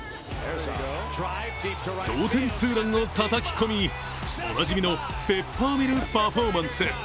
同点ツーランをたたき込み、おなじみのペッパーミルパフォーマンス。